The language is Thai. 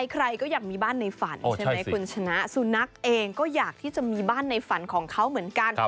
ใครก็อยากมีบ้านในฝันใช่ไหมคุณชนะสุนัขเองก็อยากที่จะมีบ้านในฝันของเขาเหมือนกัน